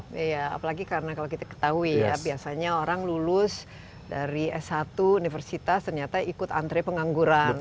iya apalagi karena kalau kita ketahui ya biasanya orang lulus dari s satu universitas ternyata ikut antre pengangguran